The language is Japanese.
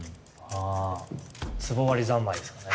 あ「壷割り三昧」ですかね。